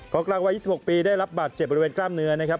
กลางวัย๒๖ปีได้รับบาดเจ็บบริเวณกล้ามเนื้อนะครับ